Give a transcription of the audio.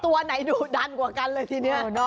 ไม่รู้ตัวไหนดูดันกว่ากันเลยทีนี้